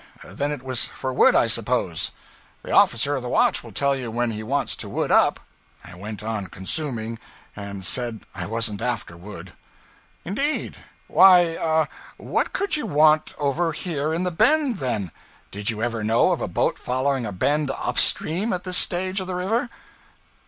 Then it was for wood, I suppose. The officer of the watch will tell you when he wants to wood up.' I went on consuming and said I wasn't after wood. 'Indeed? Why, what could you want over here in the bend, then? Did you ever know of a boat following a bend up stream at this stage of the river?'